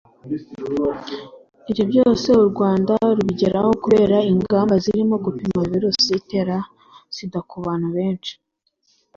Ibyo byose u Rwanda rubigeraho kubera ingamba zirimo gupima virusi itera Sida ku bantu benshi